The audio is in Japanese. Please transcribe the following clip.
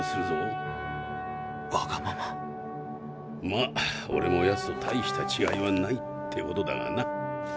まあオレもやつとたいしたちがいはないってことだがな。